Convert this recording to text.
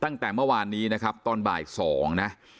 ตั้งแต่เมื่อวานนี้ตอนบ่ายสอง